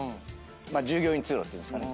従業員通路っていうんですかね。